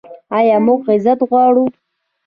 آیا موږ عزت غواړو؟